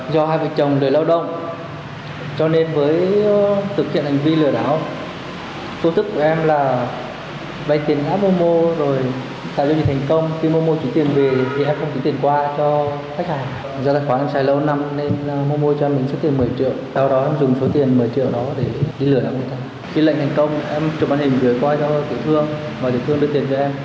khi lệnh thành công em chụp bản hình gửi qua cho tiểu thương và tiểu thương đưa tiền cho em